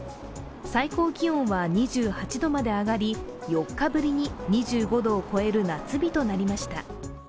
最高気温は２８度まで上がり４日ぶりに２５度を超える夏日となりました。